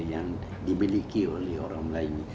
yang dimiliki oleh orang lain